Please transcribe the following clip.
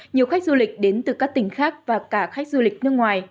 nhiều khách du lịch đến từ các tỉnh khác và cả khách du lịch nước ngoài